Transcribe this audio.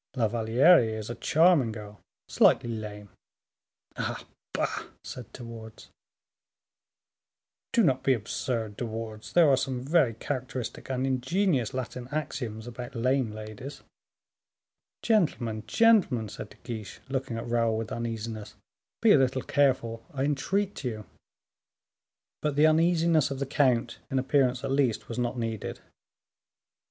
La Valliere is a charming girl, slightly lame." "Ah! bah!" said De Wardes. "Do not be absurd, De Wardes, there are some very characteristic and ingenious Latin axioms about lame ladies." "Gentlemen, gentlemen," said De Guiche, looking at Raoul with uneasiness, "be a little careful, I entreat you." But the uneasiness of the count, in appearance at least, was not needed.